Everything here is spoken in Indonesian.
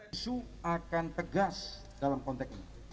usu akan tegas dalam kontek ini